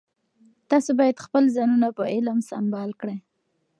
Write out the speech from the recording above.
تاسو باید خپل ځانونه په علم سمبال کړئ.